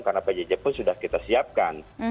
karena pjj pun sudah kita siapkan